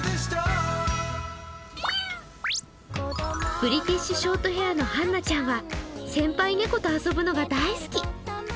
ブリティッシュショートヘアのハンナちゃんは先輩猫と遊ぶのが大好き。